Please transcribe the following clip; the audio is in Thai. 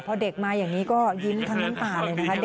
พอเด็กมาอย่างนี้ก็ยิ้มทั้งน้ำตาเลยนะคะ